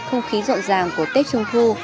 không khí rộn ràng của tết trung thu